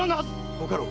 ご家老。